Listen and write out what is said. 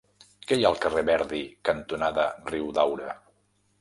Què hi ha al carrer Verdi cantonada Riudaura?